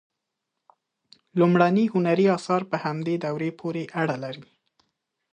لومړني هنري آثار په همدې دورې پورې اړه لري.